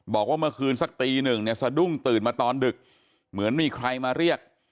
บอกว่าเมื่อคืนสักตีหนึ่งเนี่ยสะดุ้งตื่นมาตอนดึกเหมือนมีใครมาเรียก